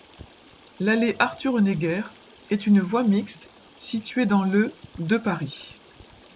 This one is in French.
L'allée Arthur-Honegger est une voie mixte située dans le de Paris.